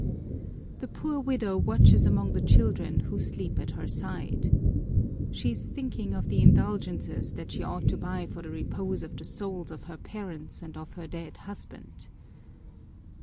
The poor widow watches among the children who sleep at her side. She is thinking of the indulgences that she ought to buy for the repose of the souls of her parents and of her dead husband.